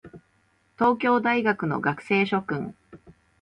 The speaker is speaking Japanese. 東京大学の学生諸君